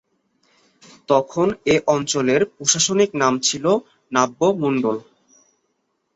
তখন এ অঞ্চলের প্রশাসনিক নাম ছিল নাব্যমন্ডল।